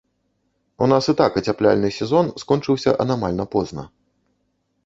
У нас і так ацяпляльны сезон скончыўся анамальна позна.